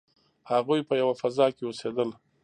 هغوی په یوه فضا کې اوسیدل.